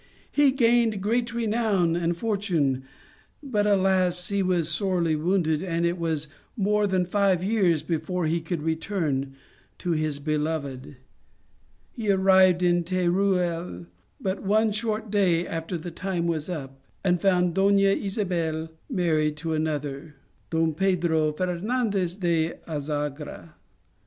He gained great renown and fortune, but, alas, he was sorely wounded, and it was more than five years before he could return to his beloved. He arrived in Teruel but one short day after the time was up, and found Dona Isabel married to another, Don Pedro Fernandez de Azagra.